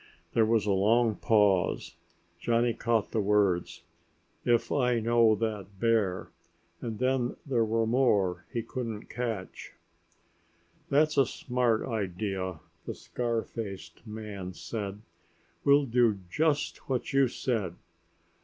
There was a long pause. Johnny caught the words, "if I know that bear," and then there was more he couldn't catch. "That's a smart idea," the scar faced man said. "We'll do just what you said.